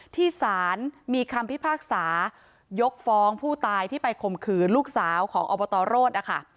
ที่สารมีคำพิพากษายกฟ้องผู้ตายที่ไปข่มขืนลูกสาวของอบตรโรธนะคะ